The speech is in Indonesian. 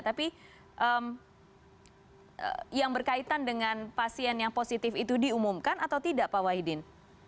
tapi yang berkaitan dengan pasien yang positif itu diumumkan atau tidak pak wahidin